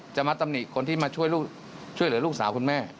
มาตำหนิคนที่มาช่วยเหลือลูกสาวคุณแม่